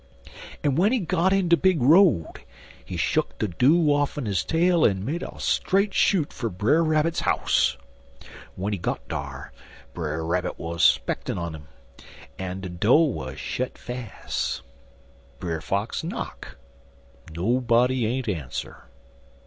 "En w'en he got in de big road, he shuck de dew off'n his tail, en made a straight shoot fer Brer Rabbit's house. W'en he got dar, Brer Rabbit wuz spectin' un 'im, en de do' wuz shet fas'. Brer Fox knock. Nobody ain't ans'er.